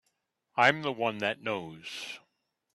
I'm the one that knows.